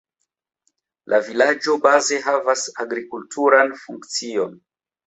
La vilaĝo baze havas agrikulturan funkcion.